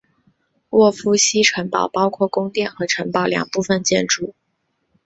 沃夫西城堡包括宫殿和城堡两部分建筑。